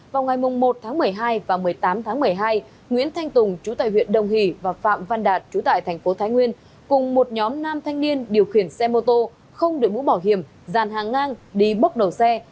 vào ngày một tháng một mươi hai và một mươi tám tháng một mươi hai nguyễn thanh tùng chú tại huyện đồng hỷ và phạm văn đạt trú tại thành phố thái nguyên cùng một nhóm nam thanh niên điều khiển xe mô tô không đổi mũ bảo hiểm dàn hàng ngang đi bốc đầu xe